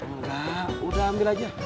udah ambil aja